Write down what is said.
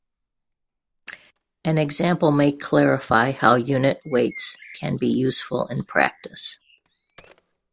An example may clarify how unit weights can be useful in practice.